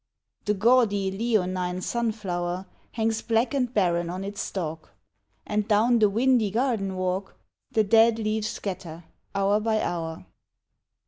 The gaudy leonine sunflower Hangs black and barren on its stalk, And down the windy garden walk The dead leaves scatter,—hour by hour.